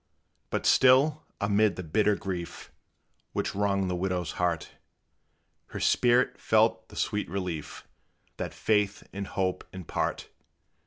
But still, amid the bitter grief Which wrung that widow's heart, Her spirit felt the sweet relief That faith and hope impart.